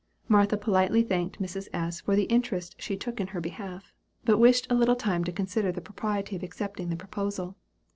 Martha politely thanked Mrs. S. for the interest she took in her behalf, but wished a little time to consider the propriety of accepting the proposal.